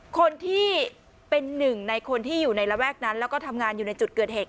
คนที่เป็นหนึ่งในคนที่อยู่ในระแวกนั้นแล้วก็ทำงานอยู่ในจุดเกิดเหตุ